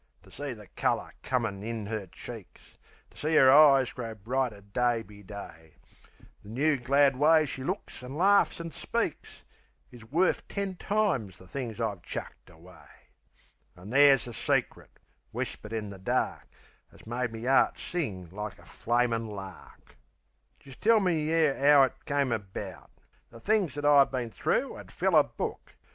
To see the colour comin' in 'er cheeks, To see 'er eyes grow brighter day be day, The new, glad way she looks an' laughs an' speaks Is worf ten times the things I've chucked away. An' there's a secret, whispered in the dark, 'As made me 'eart sing like a flamin' lark. Jist let me tell yeh 'ow it come about. The things that I've been thro' 'ud fill a book.